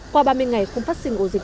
qua ba mươi ngày không phát sinh ổ dịch